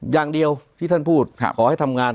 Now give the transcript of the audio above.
อย่างเดียวที่ท่านพูดขอให้ทำงาน